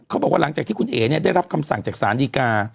เขาบอกว่าหลังจากที่คุณเอ๊ะเนี่ยได้รับคำสั่งจากศาลดีกา